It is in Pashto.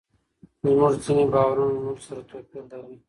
زموږ ځینې باورونه له نورو سره توپیر لري.